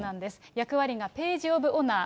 役割がページ・オブ・オナー。